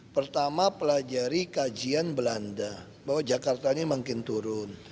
pertama pelajari kajian belanda bahwa jakartanya makin turun